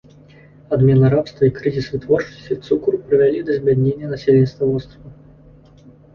Адмена рабства і крызіс вытворчасці цукру прывялі да збяднення насельніцтва вострава.